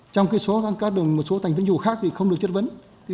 trong một số thành viên chính phủ khác thì không được chất vấn